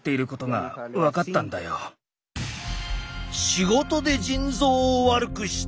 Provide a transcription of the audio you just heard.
仕事で腎臓を悪くした！？